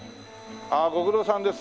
ああご苦労さんです。